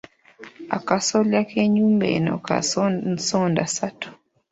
Akasolya k'ennyumba eno ka nsondassatu.